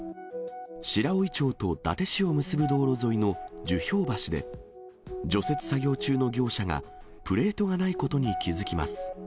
白老町と伊達市を結ぶ道路沿いの樹氷橋で、除雪作業中の業者が、プレートがないことに気付きます。